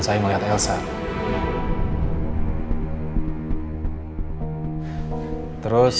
saya mau dansa dengan kamera